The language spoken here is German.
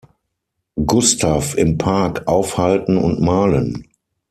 Gustaf im Park aufhalten und malen.